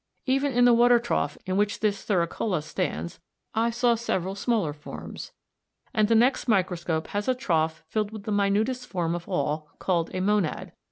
Even in the water trough in which this Thuricolla stands, I saw several smaller forms, and the next microscope has a trough filled with the minutest form of all, called a Monad (No.